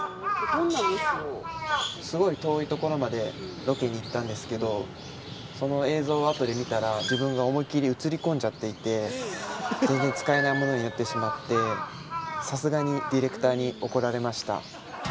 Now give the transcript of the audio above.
すごい遠いところまでロケに行ったんですけどその映像を後で見たら自分が思いっきり映り込んじゃっていて全然使えないものになってしまってさすがにディレクターに怒られました。